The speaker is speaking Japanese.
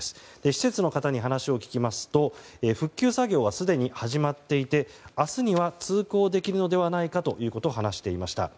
施設の方に話を聞きますと復旧作業はすでに始まっていて明日には通行できるのではないかということを話していました。